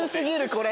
これ。